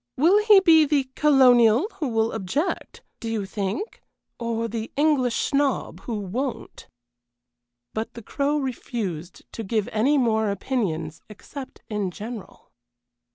Will he be the colonial who will object, do you think, or the English snob who won't?" But the Crow refused to give any more opinions except in general.